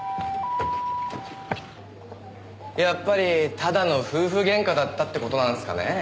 やっぱりただの夫婦ゲンカだったって事なんすかねぇ。